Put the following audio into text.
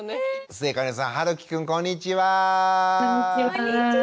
末金さんはるきくんこんにちは！こんにちは！